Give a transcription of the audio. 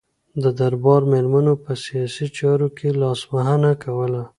د دربار میرمنو په سیاسي چارو کې لاسوهنه کوله.